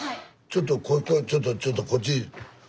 ちょっとここへちょっとちょっとこっち。